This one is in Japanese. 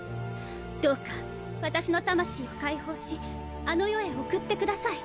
どうか私の魂を解放しあの世へ送ってください。